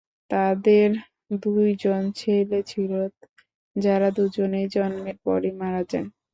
তাদের দুই জন ছেলে ছিল যারা দুজনেই জন্মের পরই মারা যান।